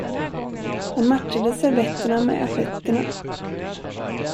Han matchade servetterna med assietterna.